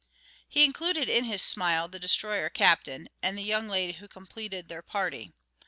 He included in his smile the destroyer captain and the young lady who completed their party.